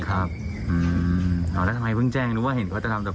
แล้วทำลายเพิ่งแจ้งหนูว่าเห็นเขาจะทำต่อไป